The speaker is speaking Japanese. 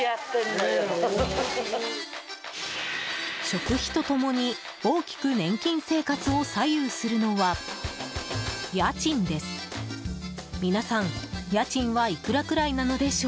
食費と共に大きく年金生活を左右するのは家賃です。